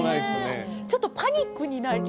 ちょっとパニックになりそう。